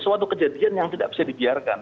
suatu kejadian yang tidak bisa dibiarkan